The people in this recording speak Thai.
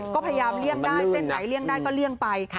ก็พยายามเลี่ยงได้เส้นไหนเลี่ยงได้ก็เลี่ยงไป